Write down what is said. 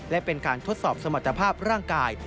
และเป็นการทดสอบสมรรถภาพร่างกาย